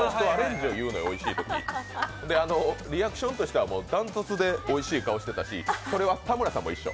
リアクションとしてはダントツでおいしい顔してたしこれは田村さんも一緒。